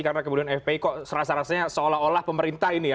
karena kemudian fpi kok serasa rasanya seolah olah pemerintah ini ya